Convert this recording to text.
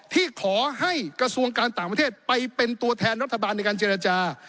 ที่ขอให้กระทรวงการต่างประเทศไปเป็นตัวแทนรัฐบาลในการเจรจา